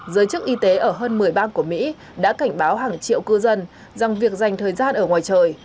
giới chức y tế ở hơn một mươi bang của mỹ đã cảnh báo hàng triệu cư dân rằng việc dành thời gian ở ngoài trời